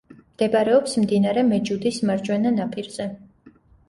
მდებარეობს მდინარე მეჯუდის მარჯვენა ნაპირზე.